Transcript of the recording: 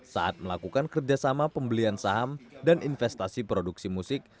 saat melakukan kerjasama pembelian saham dan investasi produksi musik